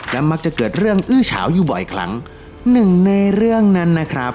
และมักจะเกิดเรื่องอื้อเฉาอยู่บ่อยครั้งหนึ่งในเรื่องนั้นนะครับ